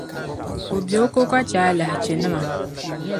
O be o ko ka chɛ alahichinima.